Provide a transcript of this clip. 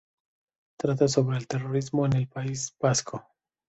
Trata sobre el terrorismo en el País Vasco.